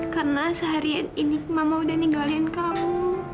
karena seharian ini mama udah ninggalin kamu